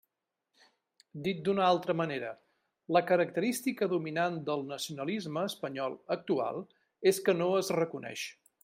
Dit d'una altra manera, «la característica dominant del nacionalisme espanyol actual és que no es reconeix».